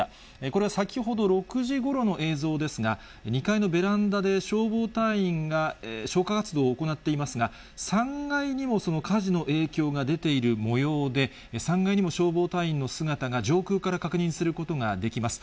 これは先ほど６時ごろの映像ですが、２階のベランダで消防隊員が消火活動を行っていますが、３階にもその火事の影響が出ているもようで、３階にも消防隊員の姿が、上空から確認することができます。